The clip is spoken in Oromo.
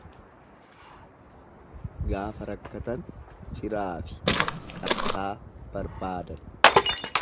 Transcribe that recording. Gaafa rakkatan firaafi qarsaa barbaadan.